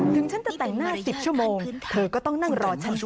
ฉันจะแต่งหน้า๑๐ชั่วโมงเธอก็ต้องนั่งรอฉัน